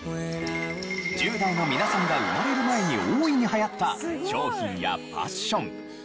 １０代の皆さんが生まれる前に大いに流行った商品やファッション。